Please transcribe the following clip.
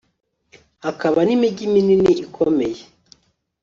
hakaba n'imigi minini ikomeye